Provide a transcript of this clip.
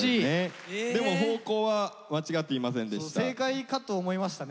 でも方向は間違っていませんでした。